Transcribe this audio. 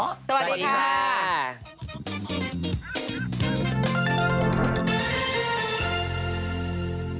สวัสดีค่ะ